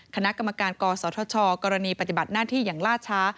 คณะกรรมการกศธชกรณีปฏิบัติหน้าที่อย่างล่าช้า